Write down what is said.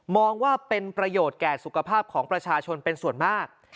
องว่าเป็นประโยชน์แก่สุขภาพของประชาชนเป็นส่วนมาก